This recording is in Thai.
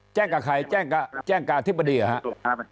แจ้งกับใครแจ้งกับทฤษฎีหรอครับ